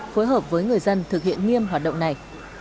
phối hợp với người dân thực hiện nghiêm hoạt động này